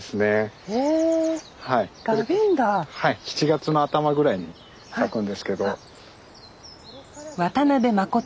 ７月の頭ぐらいに咲くんですけど。